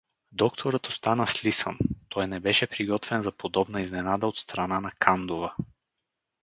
Докторът остана слисан: той не беше приготвен за подобна изненада от страна на Кандова.